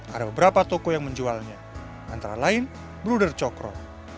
ada beberapa toko yang menjualnya antara lain bruder cokro